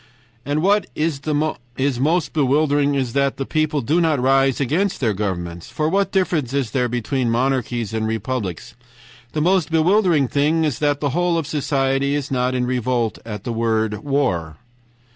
"AND WHAT IS MOST BEWILDERING IS THAT THE PEOPLE DO NOT RISE AGAINST THEIR GOVERNMENTS. FOR WHAT DIFFERENCE IS THERE BETWEEN MONARCHIES AND REPUBLICS? THE MOST BEWILDERING THING IS THAT THE WHOLE OF SOCIETY IS NOT IN REVOLT AT THE WORD WAR."